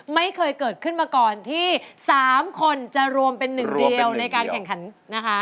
ไม่เคยเกิดขึ้นมาก่อนที่๓คนจะรวมเป็นหนึ่งเดียวในการแข่งขันนะคะ